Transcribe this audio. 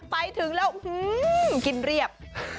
ไปถึงแล้วกินเรียบ